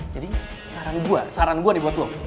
jadi saran gue saran gue nih buat lo